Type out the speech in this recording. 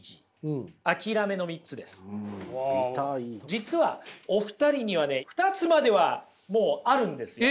実はお二人にはね２つまではもうあるんですよ。